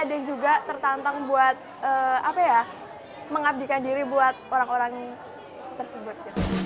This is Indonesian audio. dan juga tertantang buat mengabdikan diri buat orang orang tersebut